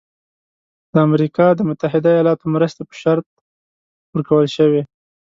د امریکا د متحده ایالاتو مرستې په شرط ورکول شوی.